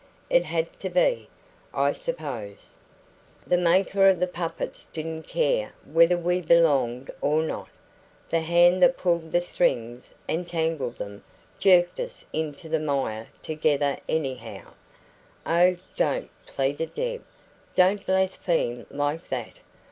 It had to be, I suppose. The maker of the puppets didn't care whether we belonged or not; the hand that pulled the strings, and tangled them, jerked us into the mire together anyhow " "Oh, don't!" pleaded Deb. "Don't blaspheme like that!